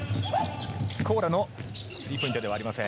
スコーラのスリーポイントではありません。